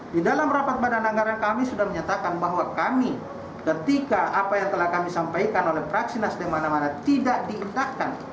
di dalam rapat badan anggaran kami sudah menyatakan bahwa kami ketika apa yang telah kami sampaikan oleh fraksi nasdem mana tidak diindahkan